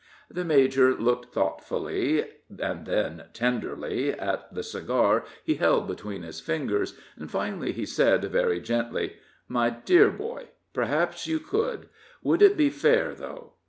The major looked thoughtfully, and then tenderly, at the cigar he held between his fingers. Finally he said, very gently: "My dear boy, perhaps you could. Would it be fair, though?